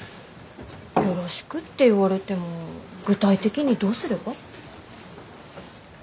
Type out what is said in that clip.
よろしくって言われても具体的にどうすれば？